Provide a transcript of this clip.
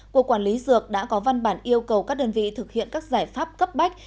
cục quản lý dược đã có văn bản yêu cầu các đơn vị thực hiện các giải pháp cấp bách